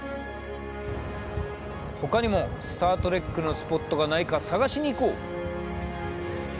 ほかにも「スター・トレック」のスポットがないか探しに行こう。